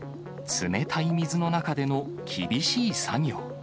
冷たい水の中での厳しい作業。